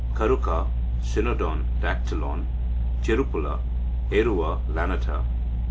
Karuka (Cynodon Dactylon). Cherupoola (Ærua lanata).